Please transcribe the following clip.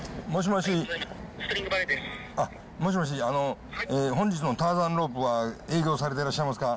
もしもし、本日のターザンロープは営業されてらっしゃいますか？